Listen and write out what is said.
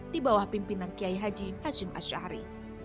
di bawah pimpinan kiai haji hashim ash'ari